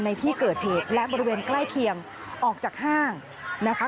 ในที่เกิดเหตุและบริเวณใกล้เคียงออกจากห้างนะคะ